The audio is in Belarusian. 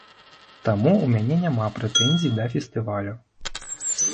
Таму ў мяне няма прэтэнзій да фестывалю.